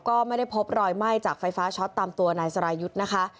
ก็ไม่ได้พบรอยไหม้จากไฟฟ้าช็อตตามตัวนายสรายุทธ์นะคะ